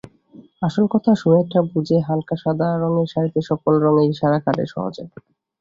আসল কথা, সুনেত্রা বোঝে হালকা সাদা রঙের শাড়িতে সকল রঙেরই ইশারা খাটে সহজে।